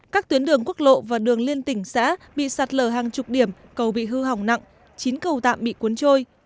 các tuyến đường quốc lộ và đường liên tỉnh xã bị sạt lở hàng chục điểm cầu bị hư hỏng nặng chín cầu tạm bị cuốn trôi